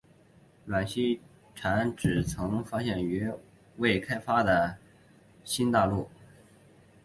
孵溪蟾只曾发现在未开发的雨林出现。